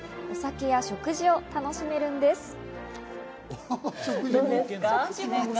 お酒や食事を楽しめるんです。